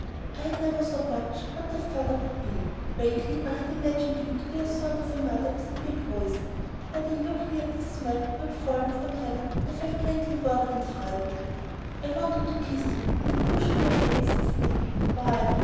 I had never thought much what a father would be. Vaguely, I had imagined him to be a sort of mother with a big voice, but in looking at this one who had fallen from heaven, I felt greatly worried and frightened. I had wanted to kiss him and he had pushed me away with his stick. Why?